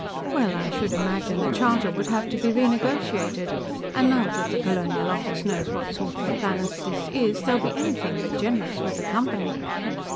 "Well, I should imagine the charter would have to be renegotiated, and now that the Colonial Office knows what sort of a planet this is, they'll be anything but generous with the Company...."